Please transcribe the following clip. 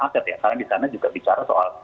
karena di sana juga bicara soal